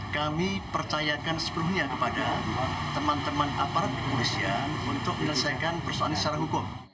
kami percayakan sepenuhnya kepada teman teman aparat kepolisian untuk menyelesaikan persoalan secara hukum